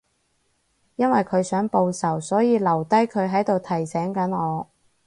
因為佢想報仇，所以留低佢喺度提醒緊我